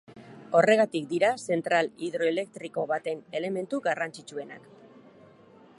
Horregatik dira zentral hidroelektriko baten elementu garrantzitsuenak.